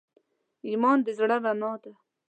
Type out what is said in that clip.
ایمان د زړه رڼا ده.